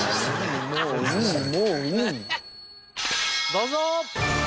どうぞ！